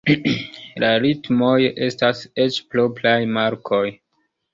La ritmoj estas eĉ propraj markoj.